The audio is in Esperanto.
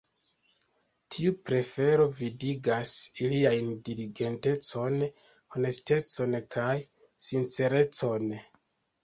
Tiu prefero vidigas iliajn diligentecon, honestecon kaj sincerecon.